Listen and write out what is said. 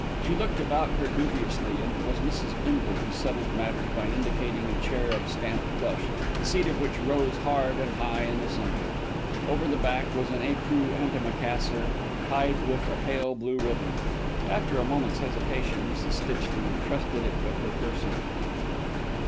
She looked about her dubiously, and it was Mrs. Bindle who settled matters by indicating a chair of stamped plush, the seat of which rose hard and high in the centre. Over the back was an ecru antimacassar, tied with a pale blue ribbon. After a moment's hesitation, Mrs. Stitchley entrusted it with her person.